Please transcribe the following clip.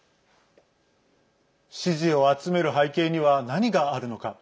支持を集める背景には何があるのか。